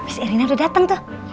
miss irina udah dateng tuh